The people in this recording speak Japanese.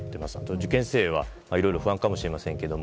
受験生は、いろいろ不安かもしれませんけれども